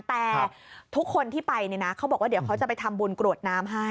แต่ทุกคนที่ไปเนี่ยนะเขาบอกว่าเดี๋ยวเขาจะไปทำบุญกรวดน้ำให้